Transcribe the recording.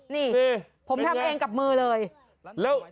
นี่ผมทำเองกับมือเลย